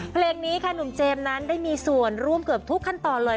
เพลงนี้ค่ะหนุ่มเจมส์นั้นได้มีส่วนร่วมเกือบทุกขั้นตอนเลย